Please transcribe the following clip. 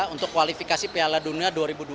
untuk kualifikasi piala dunia dua ribu dua puluh